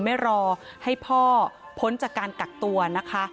ไม่รอให้พ่อพ้นจากการกักตัวนะคะ